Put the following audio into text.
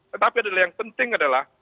tetapi adalah yang penting adalah